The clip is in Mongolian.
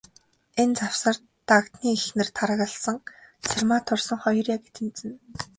Энэ завсар, Дагданы эхнэрийн таргалсан, Цэрмаагийн турсан хоёр яг тэнцэнэ.